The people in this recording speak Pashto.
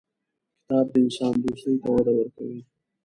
کتاب د انسان دوستي ته وده ورکوي.